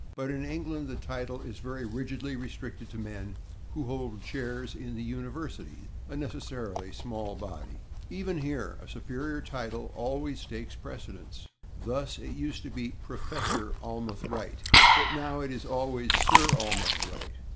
But in England the title is very rigidly restricted to men who hold chairs in the universities, a necessarily small body. Even here a superior title [Pg118] always takes precedence. Thus, it used to be /Professor/ Almroth Wright, but now it is always /Sir/ Almroth Wright.